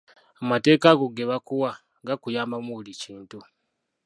Amateeka ago ge bakuwa, gakuyamba mu buli kintu.